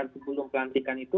bergulung pelantikan itu